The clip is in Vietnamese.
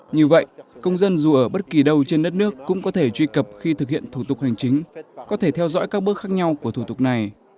như vậy công dân dù ở bất kỳ đâu trên đất nước cũng có thể truy cập khi thực hiện thủ tục hành chính có thể theo dõi các bước khác nhau của thủ tục này